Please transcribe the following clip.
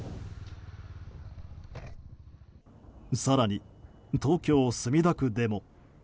更に東京・墨田区でも。